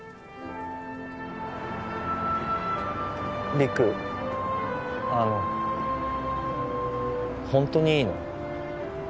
陸あのホントにいいの？